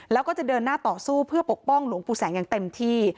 แล้วก็จะเดินหน้าต่อสู้เพื่อปกป้องหลวงปู่แสงอย่างเต็มที่